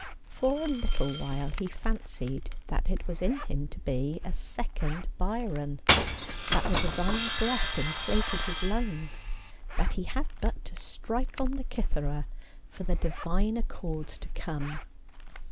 For a little while he fancied that it was in him to be a second Byron ; that the divine breath inflated his lungs ; that he had but to strike on the cithara for the divine accords 190 Asphodel. to come.